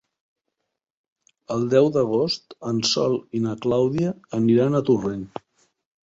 El deu d'agost en Sol i na Clàudia aniran a Torrent.